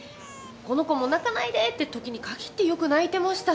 この子も泣かないでってときに限ってよく泣いてました。